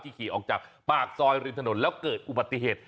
ขี่ออกจากปากซอยริมถนนแล้วเกิดอุบัติเหตุ